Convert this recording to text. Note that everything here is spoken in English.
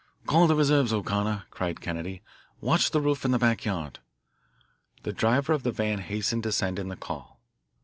"Call the reserves, O'Connor," cried Kennedy. "Watch the roof and the back yard." The driver of the van hastened to send in the call.